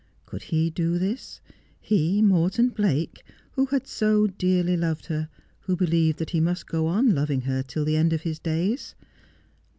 Could he do this 1 — he, Morton Blake, who had so doarly loved her, who believed that he must go on loving her till the end of his days?